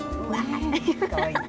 かわいいね。